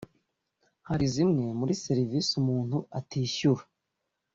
hari zimwe muri serivisi umuntu atishyura